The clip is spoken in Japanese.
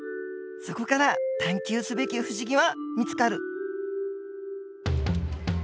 そこから探究すべき不思議は見つかる